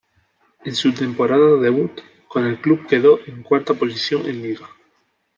En su temporada debut, con el club quedó en cuarta posición en liga.